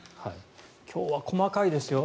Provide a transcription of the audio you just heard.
今日は細かいですよ。